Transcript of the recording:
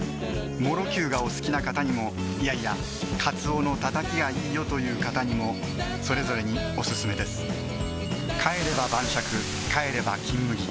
もろきゅうがお好きな方にもいやいやカツオのたたきがいいよという方にもそれぞれにオススメです帰れば晩酌帰れば「金麦」